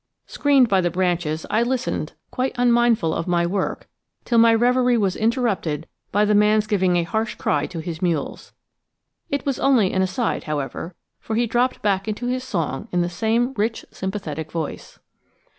Screened by the branches, I listened quite unmindful of my work till my reverie was interrupted by the man's giving a harsh cry to his mules. It was only an aside, however, for he dropped back into his song in the same rich sympathetic voice.